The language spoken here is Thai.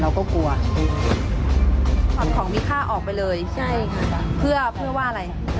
เราก็กลัวถอนของมีค่าออกไปเลยใช่ค่ะเพื่อเพื่อว่าอะไร